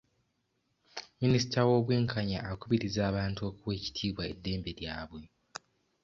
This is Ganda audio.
Minisita w'obwenkanya akubiriza abantu okuwa ekitiibwa eddembe lyabwe.